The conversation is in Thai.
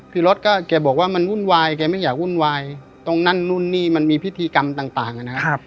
คือรถก็แกบอกว่ามันวุ่นวายแกไม่อยากวุ่นวายตรงนั้นนู่นนี่มันมีพิธีกรรมต่างนะครับ